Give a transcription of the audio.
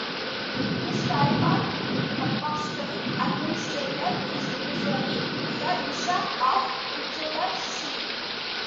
This type of apostolic administrator is usually the bishop of a titular see.